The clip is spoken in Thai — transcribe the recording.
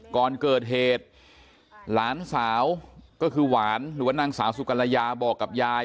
ก่อนเกิดเหตุหลานสาวก็คือหวานหรือว่านางสาวสุกรยาบอกกับยาย